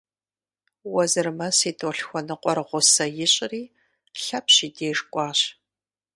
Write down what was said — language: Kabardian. Уэзырмэс и тӏолъхуэныкъуэр гъусэ ищӏри Лъэпщ и деж кӏуащ.